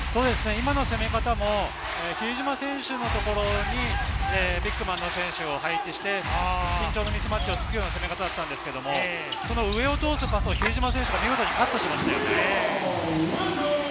今の攻め方も比江島選手のところにビッグマンの選手を配置して、身長のミスマッチを突くような攻め方をしたんですけど、その上を通すようなパスを比江島選手はカットしましたよね。